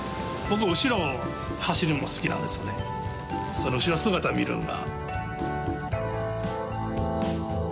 その後ろ姿を見るのが。